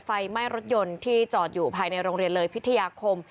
ไฟไหม้รถยนต์ที่จอดอยู่ภายในโรงเรียนเลยพิทยาคม